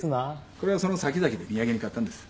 これはその先々で土産に買ったんです。